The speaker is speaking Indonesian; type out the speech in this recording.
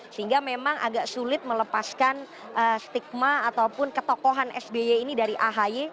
sehingga memang agak sulit melepaskan stigma ataupun ketokohan sby ini dari ahy